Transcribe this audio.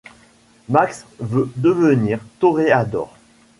Max veut devenir toréador.